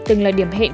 từng là điểm hẹn